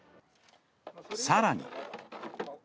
さらに。